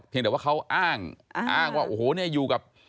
ก็ไม่รู้ว่าฟ้าจะระแวงพอพานหรือเปล่า